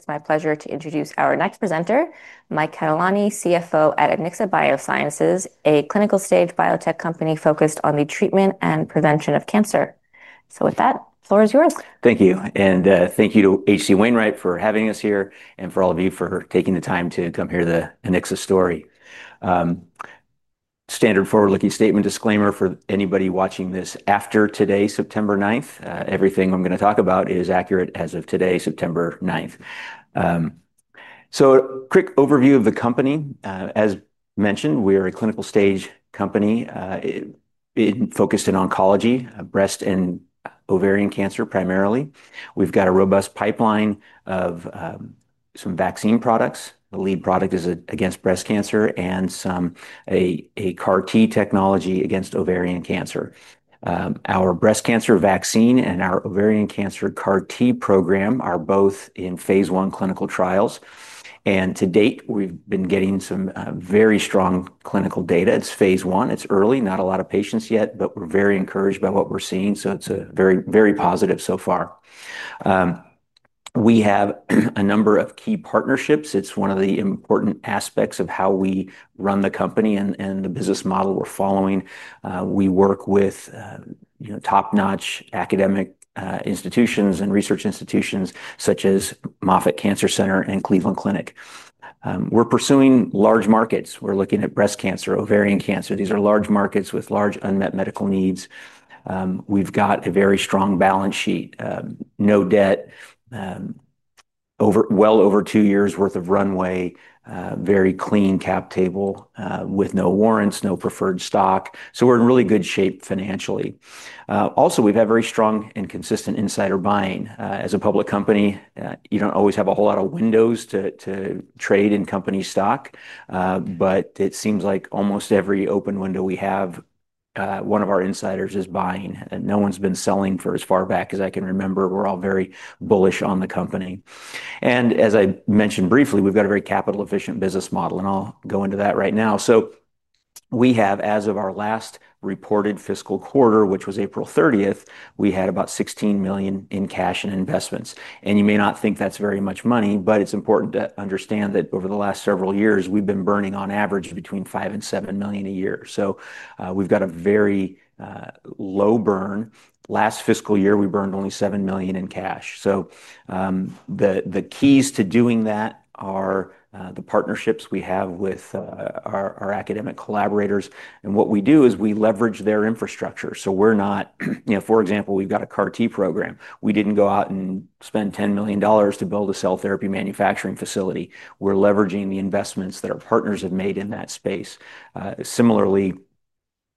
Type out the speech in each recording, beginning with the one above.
It's my pleasure to introduce our next presenter, Mike Catelani, CFO at Anixa Biosciences, a clinical-stage biotech company focused on the treatment and prevention of cancer. The floor is yours. Thank you. And thank you to HC Wainwright for having us here and for all of you for taking the time to come hear the Anixa story. Standard forward-looking statement disclaimer for anybody watching this after today, September 9th. Everything I'm going to talk about is accurate as of today, September 9th. A quick overview of the company. As mentioned, we are a clinical-stage company focused in oncology, breast and ovarian cancer primarily. We've got a robust pipeline of some vaccine products. The lead product is against breast cancer and a CAR-T technology against ovarian cancer. Our breast cancer vaccine and our ovarian cancer CAR-T program are both in phase one clinical trials. To date, we've been getting some very strong clinical data. It's phase one. It's early. Not a lot of patients yet, but we're very encouraged by what we're seeing. It's very, very positive so far. We have a number of key partnerships. It's one of the important aspects of how we run the company and the business model we're following. We work with top-notch academic institutions and research institutions such as Moffitt Cancer Center and Cleveland Clinic. We're pursuing large markets. We're looking at breast cancer, ovarian cancer. These are large markets with large unmet medical needs. We've got a very strong balance sheet, no debt, well over two years' worth of runway, very clean cap table with no warrants, no preferred stock. We're in really good shape financially. We've had very strong and consistent insider buying. As a public company, you don't always have a whole lot of windows to trade in company stock. It seems like almost every open window we have, one of our insiders is buying. No one's been selling for as far back as I can remember. We're all very bullish on the company. As I mentioned briefly, we've got a very capital-efficient business model. I'll go into that right now. We have, as of our last reported fiscal quarter, which was April 30th, we had about $16 million in cash and investments. You may not think that's very much money, but it's important to understand that over the last several years, we've been burning on average between $5 million and $7 million a year. We've got a very low burn. Last fiscal year, we burned only $7 million in cash. The keys to doing that are the partnerships we have with our academic collaborators. What we do is we leverage their infrastructure. We're not, you know, for example, we've got a CAR-T program. We didn't go out and spend $10 million to build a cell therapy manufacturing facility. We're leveraging the investments that our partners have made in that space. Similarly,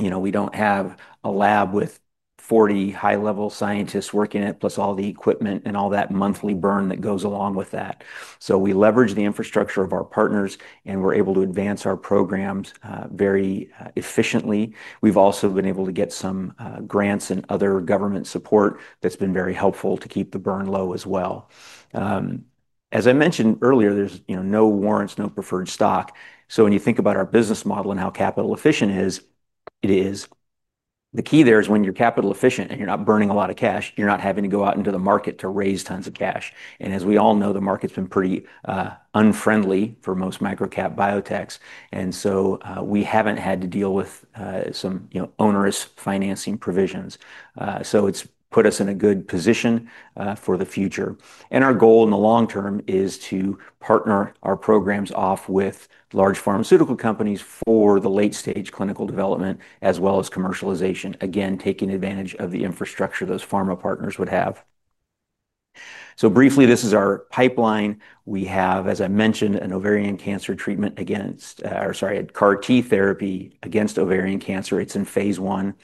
we don't have a lab with 40 high-level scientists working in it, plus all the equipment and all that monthly burn that goes along with that. We leverage the infrastructure of our partners, and we're able to advance our programs very efficiently. We've also been able to get some grants and other government support that's been very helpful to keep the burn low as well. As I mentioned earlier, there's no warrants, no preferred stock. When you think about our business model and how capital-efficient it is, the key there is when you're capital-efficient and you're not burning a lot of cash, you're not having to go out into the market to raise tons of cash. As we all know, the market's been pretty unfriendly for most microcap biotechs. We haven't had to deal with some onerous financing provisions. It's put us in a good position for the future. Our goal in the long term is to partner our programs off with large pharmaceutical companies for the late-stage clinical development as well as commercialization, again, taking advantage of the infrastructure those pharma partners would have. Briefly, this is our pipeline. We have, as I mentioned, a CAR-T therapy against ovarian cancer. It's in phase one.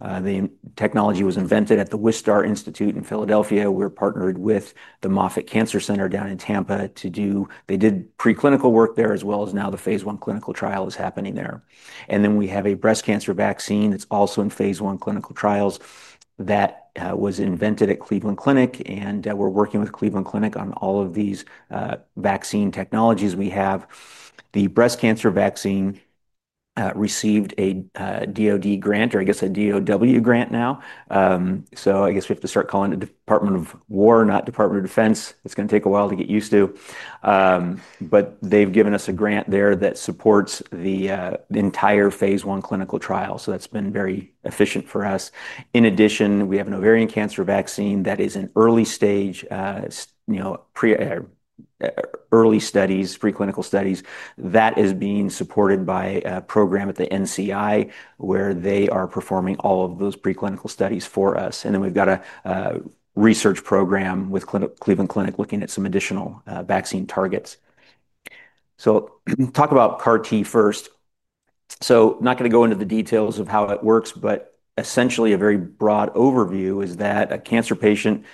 The technology was invented at The Wistar Institute in Philadelphia. We're partnered with the Moffitt Cancer Center down in Tampa to do preclinical work there as well as now the phase one clinical trial is happening there. We have a breast cancer vaccine that's also in phase one clinical trials that was invented at Cleveland Clinic. We're working with Cleveland Clinic on all of these vaccine technologies we have. The breast cancer vaccine received a DOD grant, or I guess a DOW grant now. I guess we have to start calling it the Department of War, not Department of Defense. It's going to take a while to get used to. They've given us a grant there that supports the entire phase one clinical trial. That's been very efficient for us. In addition, we have an ovarian cancer vaccine that is an early stage, early studies, preclinical studies that is being supported by a program at the NCI where they are performing all of those preclinical studies for us. We've got a research program with Cleveland Clinic looking at some additional vaccine targets. Talk about CAR-T first. Not going to go into the details of how it works, but essentially a very broad overview is that a cancer patient,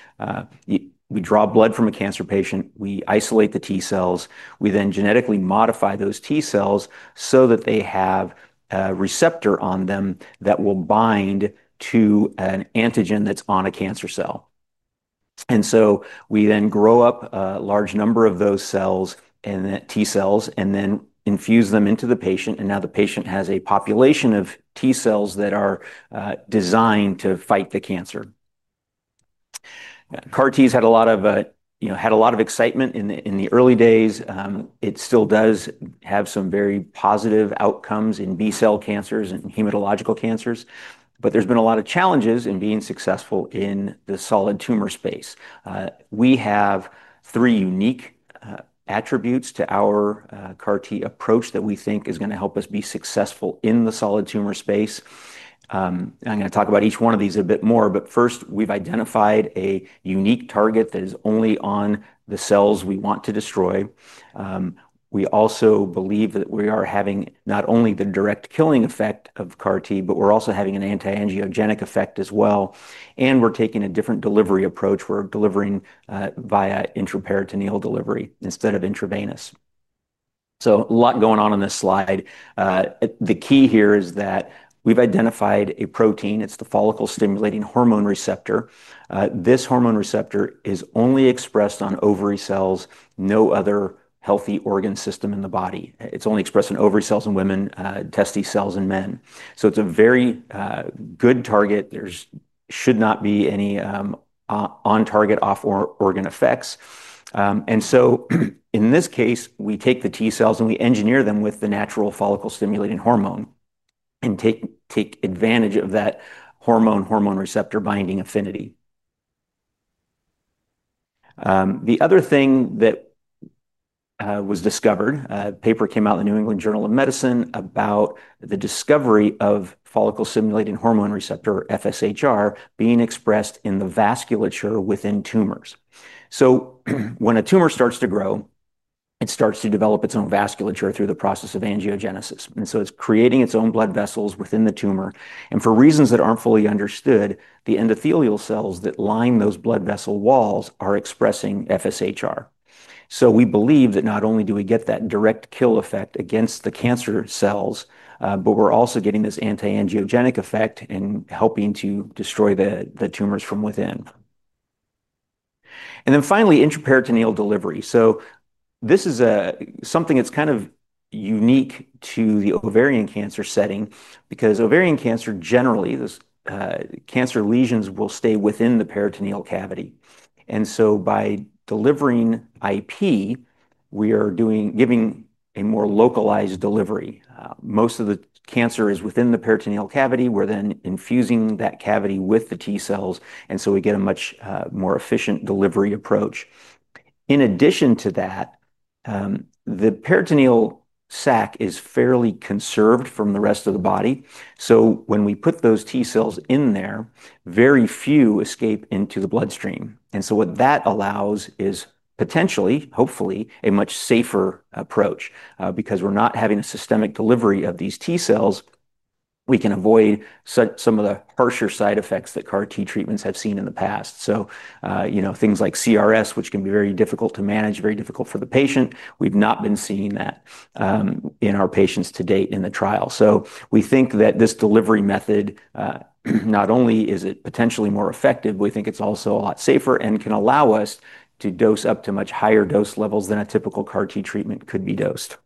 we draw blood from a cancer patient, we isolate the T cells. We then genetically modify those T cells so that they have a receptor on them that will bind to an antigen that's on a cancer cell. We then grow up a large number of those cells and T cells and then infuse them into the patient. Now the patient has a population of T cells that are designed to fight the cancer. CAR-Ts had a lot of excitement in the early days. It still does have some very positive outcomes in B-cell cancers and hematological cancers. There's been a lot of challenges in being successful in the solid tumor space. We have three unique attributes to our CAR-T approach that we think is going to help us be successful in the solid tumor space. I'm going to talk about each one of these a bit more. First, we've identified a unique target that is only on the cells we want to destroy. We also believe that we are having not only the direct killing effect of CAR-T, but we're also having an anti-angiogenic effect as well. We're taking a different delivery approach. We're delivering via intraperitoneal delivery instead of intravenous. A lot going on in this slide. The key here is that we've identified a protein. It's the follicle-stimulating hormone receptor. This hormone receptor is only expressed on ovary cells, no other healthy organ system in the body. It's only expressed in ovary cells in women, testes cells in men. It's a very good target. There should not be any on-target, off-organ effects. In this case, we take the T cells and we engineer them with the natural follicle-stimulating hormone and take advantage of that hormone-hormone receptor binding affinity. The other thing that was discovered, a paper came out in the New England Journal of Medicine about the discovery of follicle-stimulating hormone receptor FSHR being expressed in the vasculature within tumors. When a tumor starts to grow, it starts to develop its own vasculature through the process of angiogenesis. It's creating its own blood vessels within the tumor. For reasons that aren't fully understood, the endothelial cells that line those blood vessel walls are expressing FSHR. We believe that not only do we get that direct kill effect against the cancer cells, but we're also getting this anti-angiogenic effect and helping to destroy the tumors from within. Finally, intraperitoneal delivery. This is something that's kind of unique to the ovarian cancer setting because ovarian cancer generally, those cancer lesions will stay within the peritoneal cavity. By delivering IP, we are giving a more localized delivery. Most of the cancer is within the peritoneal cavity. We're then infusing that cavity with the T cells, and we get a much more efficient delivery approach. In addition to that, the peritoneal sac is fairly conserved from the rest of the body. When we put those T cells in there, very few escape into the bloodstream. What that allows is potentially, hopefully, a much safer approach because we're not having a systemic delivery of these T cells. We can avoid some of the harsher side effects that CAR-T treatments have seen in the past. Things like CRS, which can be very difficult to manage, very difficult for the patient, we've not been seeing that in our patients to date in the trial. We think that this delivery method, not only is it potentially more effective, but we think it's also a lot safer and can allow us to dose up to much higher dose levels than a typical CAR-T treatment could be dosed.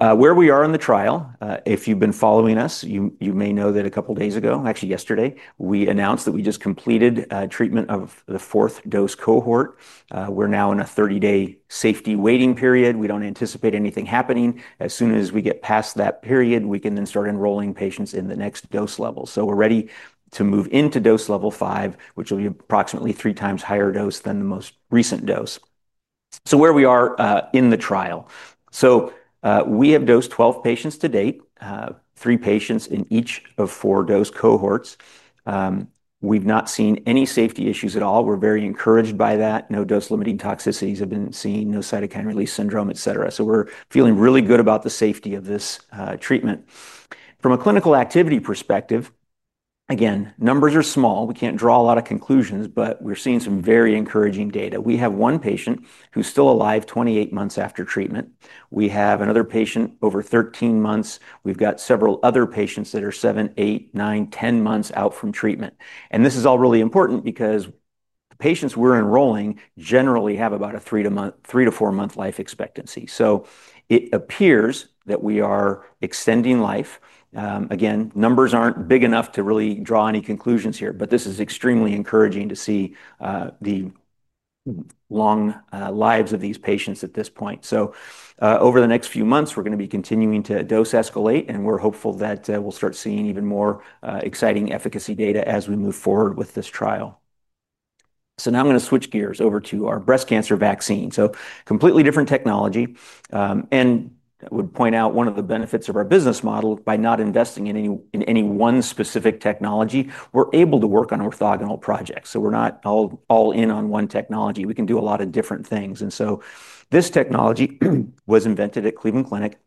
Where we are in the trial, if you've been following us, you may know that a couple of days ago, actually yesterday, we announced that we just completed treatment of the fourth dose cohort. We're now in a 30-day safety waiting period. We don't anticipate anything happening. As soon as we get past that period, we can then start enrolling patients in the next dose level. We're ready to move into dose level five, which will be approximately three times higher dose than the most recent dose. Where we are in the trial. We have dosed 12 patients to date, three patients in each of four dose cohorts. We've not seen any safety issues at all. We're very encouraged by that. No dose-limiting toxicities have been seen, no cytokine release syndrome, et cetera. We're feeling really good about the safety of this treatment. From a clinical activity perspective, again, numbers are small. We can't draw a lot of conclusions, but we're seeing some very encouraging data. We have one patient who's still alive 28 months after treatment. We have another patient over 13 months. We've got several other patients that are 7, 8, 9, 10 months out from treatment. This is all really important because the patients we're enrolling generally have about a three to four-month life expectancy. It appears that we are extending life. Numbers aren't big enough to really draw any conclusions here, but this is extremely encouraging to see the long lives of these patients at this point. Over the next few months, we're going to be continuing to dose escalate. We're hopeful that we'll start seeing even more exciting efficacy data as we move forward with this trial. Now I'm going to switch gears over to our breast cancer vaccine. Completely different technology. I would point out one of the benefits of our business model, by not investing in any one specific technology, we're able to work on orthogonal projects. We're not all in on one technology. We can do a lot of different things. This technology was invented at Cleveland Clinic.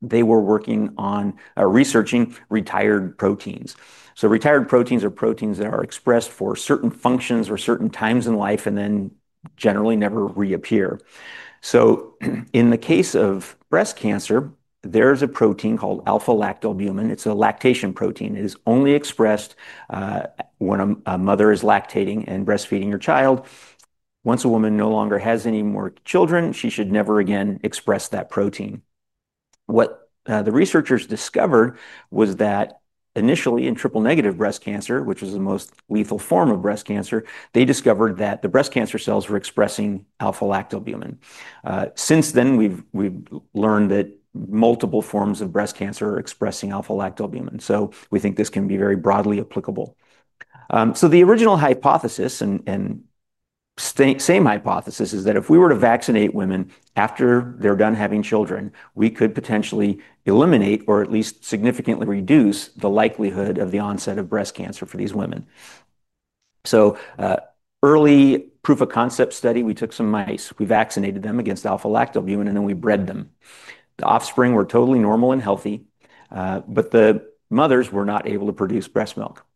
They were working on researching retired proteins. Retired proteins are proteins that are expressed for certain functions or certain times in life and then generally never reappear. In the case of breast cancer, there's a protein called alpha-lactalbumin. It's a lactation protein. It is only expressed when a mother is lactating and breastfeeding her child. Once a woman no longer has any more children, she should never again express that protein. What the researchers discovered was that initially in triple-negative breast cancer, which is the most lethal form of breast cancer, they discovered that the breast cancer cells were expressing alpha-lactalbumin. Since then, we've learned that multiple forms of breast cancer are expressing alpha-lactalbumin. We think this can be very broadly applicable. The original hypothesis, and same hypothesis, is that if we were to vaccinate women after they're done having children, we could potentially eliminate or at least significantly reduce the likelihood of the onset of breast cancer for these women. Early proof of concept study, we took some mice. We vaccinated them against alpha-lactalbumin, and then we bred them. The offspring were totally normal and healthy, but the mothers were not able to produce breast milk.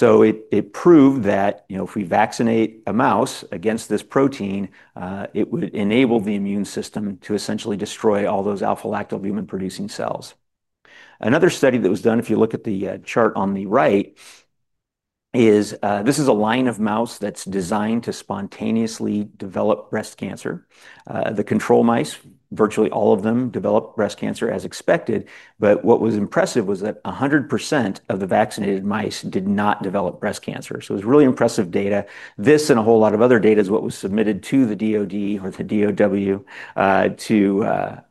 It proved that if we vaccinate a mouse against this protein, it would enable the immune system to essentially destroy all those alpha-lactalbumin-producing cells. Another study that was done, if you look at the chart on the right, is this is a line of mouse that's designed to spontaneously develop breast cancer. The control mice, virtually all of them developed breast cancer as expected. What was impressive was that 100% of the vaccinated mice did not develop breast cancer. It was really impressive data. This and a whole lot of other data is what was submitted to the DOD or the DOW to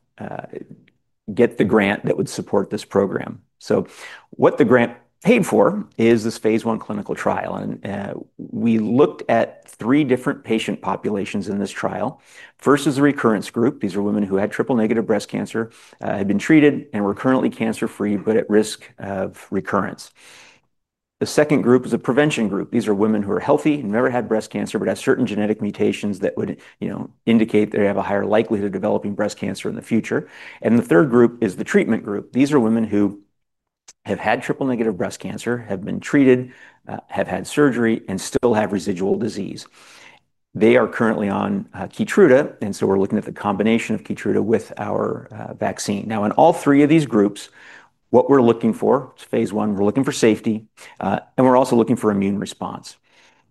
get the grant that would support this program. What the grant paid for is this phase one clinical trial. We looked at three different patient populations in this trial. First is a recurrence group. These are women who had triple-negative breast cancer, had been treated, and were currently cancer-free but at risk of recurrence. The second group is a prevention group. These are women who are healthy, never had breast cancer, but have certain genetic mutations that would indicate they have a higher likelihood of developing breast cancer in the future. The third group is the treatment group. These are women who have had triple-negative breast cancer, have been treated, have had surgery, and still have residual disease. They are currently on Keytruda. We're looking at the combination of Keytruda with our vaccine. In all three of these groups, what we're looking for, it's phase one, we're looking for safety, and we're also looking for immune response.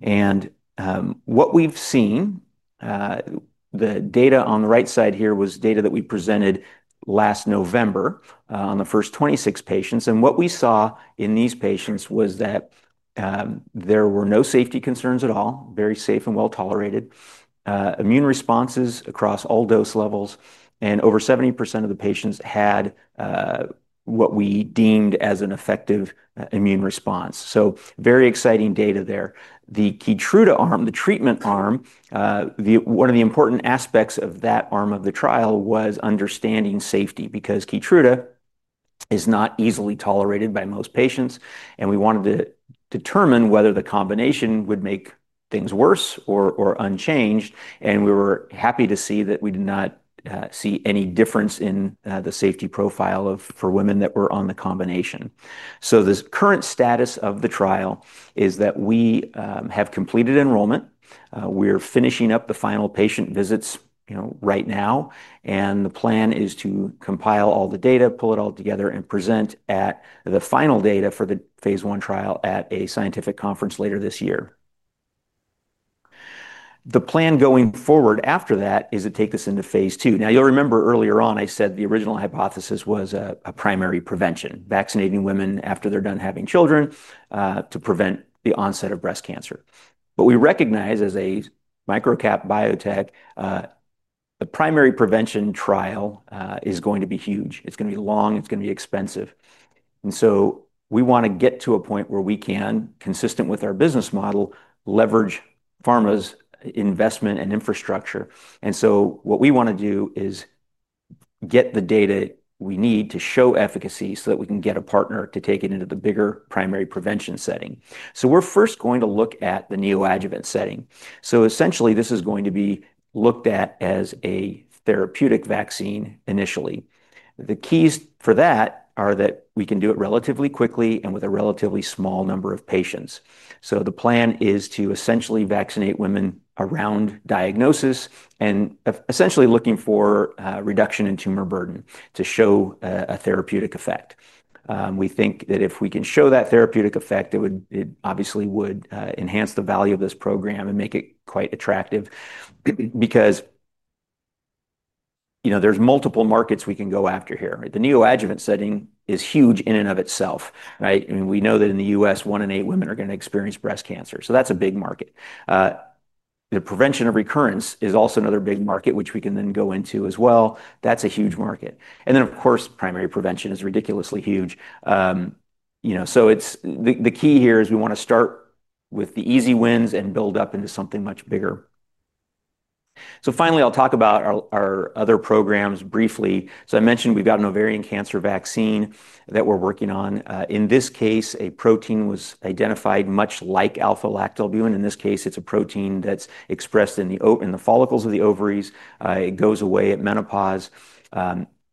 What we've seen, the data on the right side here was data that we presented last November on the first 26 patients. What we saw in these patients was that there were no safety concerns at all, very safe and well tolerated immune responses across all dose levels. Over 70% of the patients had what we deemed as an effective immune response. Very exciting data there. The Keytruda arm, the treatment arm, one of the important aspects of that arm of the trial was understanding safety because Keytruda is not easily tolerated by most patients. We wanted to determine whether the combination would make things worse or unchanged. We were happy to see that we did not see any difference in the safety profile for women that were on the combination. The current status of the trial is that we have completed enrollment. We are finishing up the final patient visits right now. The plan is to compile all the data, pull it all together, and present the final data for the phase one trial at a scientific conference later this year. The plan going forward after that is to take this into phase two. You'll remember earlier on I said the original hypothesis was a primary prevention, vaccinating women after they're done having children to prevent the onset of breast cancer. We recognize as a microcap biotech, the primary prevention trial is going to be huge. It's going to be long. It's going to be expensive. We want to get to a point where we can, consistent with our business model, leverage pharma's investment and infrastructure. What we want to do is get the data we need to show efficacy so that we can get a partner to take it into the bigger primary prevention setting. We're first going to look at the neoadjuvant setting. Essentially, this is going to be looked at as a therapeutic vaccine initially. The keys for that are that we can do it relatively quickly and with a relatively small number of patients. The plan is to essentially vaccinate women around diagnosis and essentially look for a reduction in tumor burden to show a therapeutic effect. We think that if we can show that therapeutic effect, it obviously would enhance the value of this program and make it quite attractive because there's multiple markets we can go after here. The neoadjuvant setting is huge in and of itself. I mean, we know that in the U.S., one in eight women are going to experience breast cancer. That's a big market. The prevention of recurrence is also another big market, which we can then go into as well. That's a huge market. Of course, primary prevention is ridiculously huge. The key here is we want to start with the easy wins and build up into something much bigger. Finally, I'll talk about our other programs briefly. I mentioned we've got an ovarian cancer vaccine that we're working on. In this case, a protein was identified much like alpha-lactalbumin. In this case, it's a protein that's expressed in the follicles of the ovaries. It goes away at menopause.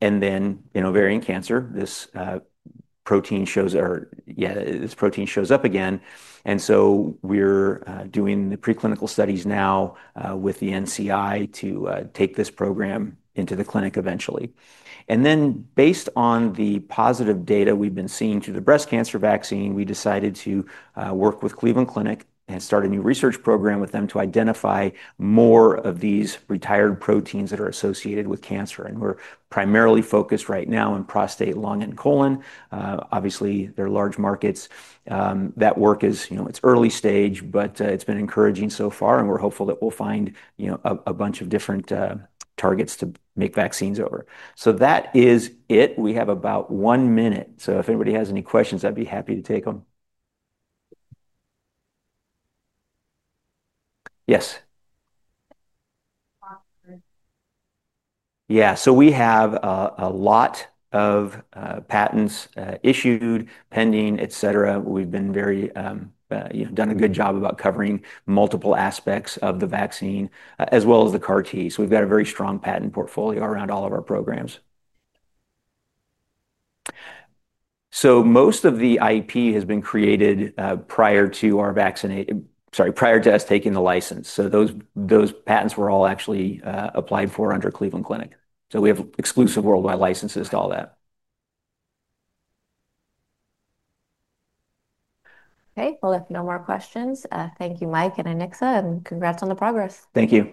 In ovarian cancer, this protein shows up again. We're doing the preclinical studies now with the NCI to take this program into the clinic eventually. Based on the positive data we've been seeing through the breast cancer vaccine, we decided to work with Cleveland Clinic and start a new research program with them to identify more of these retired proteins that are associated with cancer. We're primarily focused right now on prostate, lung, and colon. Obviously, there are large markets that work as it's early stage, but it's been encouraging so far. We're hopeful that we'll find a bunch of different targets to make vaccines over. That is it. We have about one minute. If anybody has any questions, I'd be happy to take them. Yes. We have a lot of patents issued, pending, et cetera. We've done a good job about covering multiple aspects of the vaccine as well as the CAR-T. We've got a very strong patent portfolio around all of our programs. Most of the IP has been created prior to our vaccination, sorry, prior to us taking the license. Those patents were all actually applied for under Cleveland Clinic. We have exclusive worldwide licenses to all that. OK. We have no more questions. Thank you, Mike and Anixa, and congrats on the progress. Thank you.